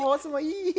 いい！